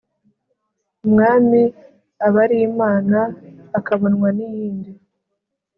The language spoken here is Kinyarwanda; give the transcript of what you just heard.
umwami aba ari imana akabonwa n'iyindi